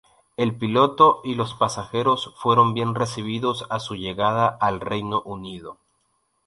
El piloto y los pasajeros fueron bien recibidos a su llegada al Reino Unido.